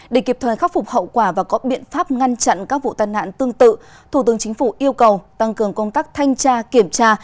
để kịp thời khắc phục hậu quả và có biện pháp ngăn chặn các vụ tai nạn tương tự thủ tướng chính phủ yêu cầu tăng cường công tác thanh tra kiểm tra